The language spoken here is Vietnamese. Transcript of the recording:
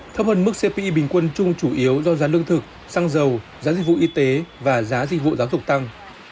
thấp hơn mức cpi bình quân chung chủ yếu do giá lương thực xăng dầu giá dịch vụ y tế và giá dịch vụ giáo dục tăng